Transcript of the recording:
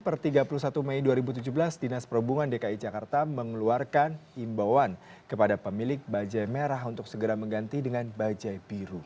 per tiga puluh satu mei dua ribu tujuh belas dinas perhubungan dki jakarta mengeluarkan imbauan kepada pemilik bajai merah untuk segera mengganti dengan bajaj biru